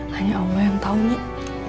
hanya allah yang tahu nih